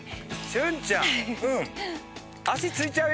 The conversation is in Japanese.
俊ちゃん